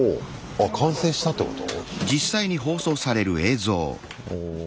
あ完成したってこと？